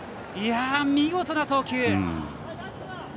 見事な投球！